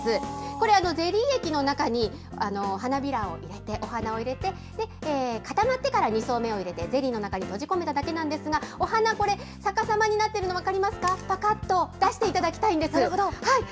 これ、ゼリー液の中に、花びらを入れて、お花を入れて、固まってから２層目を入れて、ゼリーの中に閉じ込めただけなんですが、お花これ、逆さまになってるの、分かりますか、ぱかっと出していただきたいんです。